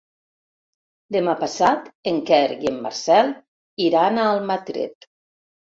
Demà passat en Quer i en Marcel iran a Almatret.